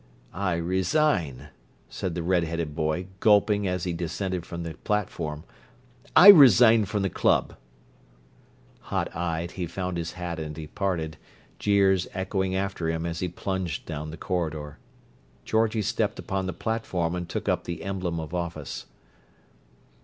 "I resign," said the red headed boy, gulping as he descended from the platform. "I resign from the club!" Hot eyed, he found his hat and departed, jeers echoing after him as he plunged down the corridor. Georgie stepped upon the platform, and took up the emblem of office.